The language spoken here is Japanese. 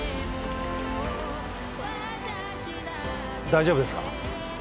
大丈夫ですか？